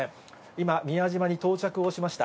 今、宮島に到着をしました。